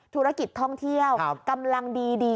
ธุรกิจท่องเที่ยวกำลังดี